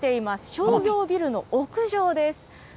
商業ビルの屋上です。